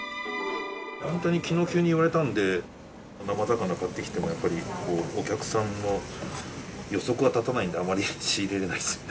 本当にきのう急に言われたんで、生魚買ってきても、やっぱりお客さんの予測は立たないんで、あまり仕入れられないですね。